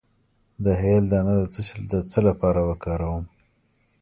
د هل دانه د څه لپاره وکاروم؟